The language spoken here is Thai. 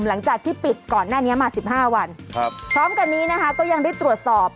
หลังจากที่ปิดก่อนหน้านี้มาสิบห้าวันครับพร้อมกันนี้นะคะก็ยังได้ตรวจสอบ